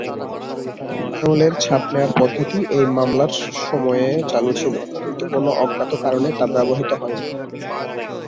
আঙুলের ছাপ নেয়ার পদ্ধতি এই মামলার সময়ে চালু ছিলো, কিন্তু কোনো অজ্ঞাত কারণে তা ব্যবহৃত হয়নি।